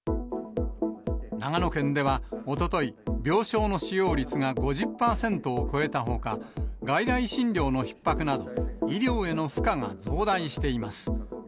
長野県ではおととい、病床の使用率が５０％を超えたほか、外来診療のひっ迫など、医療への負荷が増大しています。